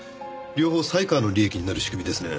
両方犀川の利益になる仕組みですね。